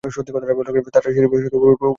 তারা সিঁড়ি বেয়ে উপরে উঠতে লাগলেন।